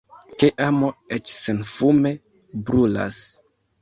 Ke amo, eĉ senfume, brulas.